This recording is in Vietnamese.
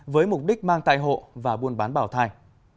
với mục đích mang thai hộ và buôn bán bảo thai